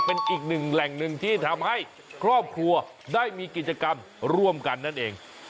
เป็นอีกหนึ่งแหล่งหนึ่งที่ทำให้ครอบครัวได้มีกิจกรรมร่วมกันนั่นเอง